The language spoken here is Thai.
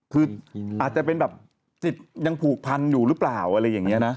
คืออาจจะเป็นแบบจิตยังผูกพันอยู่หรือเปล่าอะไรอย่างนี้นะ